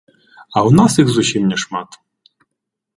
А ў нас іх зусім няшмат.